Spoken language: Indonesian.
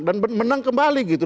dan menang kembali gitu